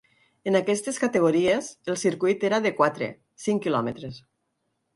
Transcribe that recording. En aquestes categories, el circuit era de quatre, cinc quilòmetres.